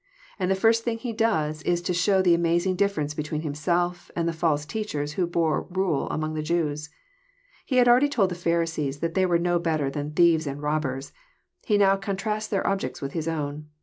And the first thing He does is to show the amazing difi'erence between Himself and the false teachers who bore rule among the Jews. He had already told the Pharisees that they were no better than '' thieves and rob bers." He now contrasts their objects with His own.